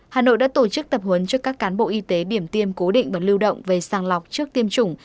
hà nội đã tổ chức tập huấn cho các cán bộ y tế điểm tiêm cố định và lưu động về sàng lọc trước tiêm chủng